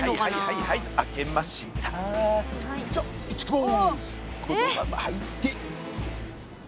このまま入って。